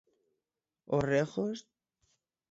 Os Regos?